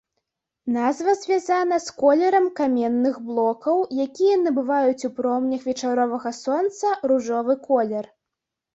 Назва звязана з колерам каменных блокаў, якія набываюць ў промнях вечаровага сонца ружовы колер.